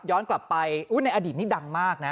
ย้อนกลับไปอุ้ยในอดีตนี้ดังมากนะ